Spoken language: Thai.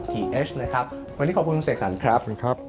วันนี้ขอบคุณคุณเสกสรรครับ